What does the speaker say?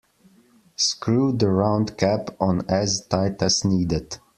Screw the round cap on as tight as needed.